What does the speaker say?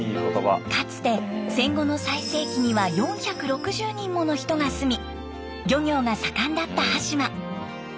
かつて戦後の最盛期には４６０人もの人が住み漁業が盛んだった端島。